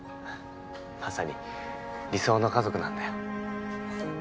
まさに理想の家族なんだよ。